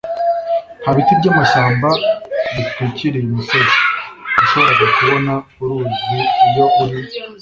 nta biti by'amashyamba bitwikiriye imisozi, washoboraga kubona uruzi iyo uri